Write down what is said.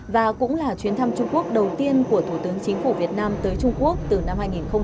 và cũng là chuyến thăm trung quốc đầu tiên của thủ tướng chính phủ việt nam tới trung quốc từ năm hai nghìn một mươi